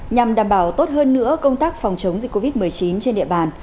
nhằm đảm bảo tốt hơn nữa công tác phòng chống dịch covid một mươi chín trên địa bàn